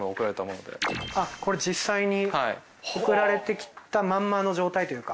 これ実際に送られてきたまんまの状態というか。